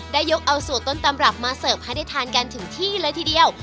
ได้ยกเอาสูตรต้นตำรับมาเสิร์ฟให้ได้ทานกันถึงที่เลยทีเดียว